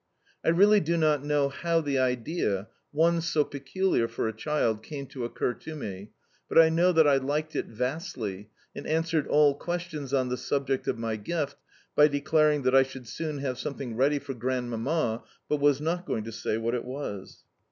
I really do not know how the idea one so peculiar for a child came to occur to me, but I know that I liked it vastly, and answered all questions on the subject of my gift by declaring that I should soon have something ready for Grandmamma, but was not going to say what it was.